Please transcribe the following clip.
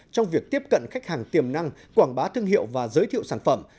trong việc tiếp cận khách hàng tiềm năng quảng bá thương hiệu và giới thiệu sản phẩm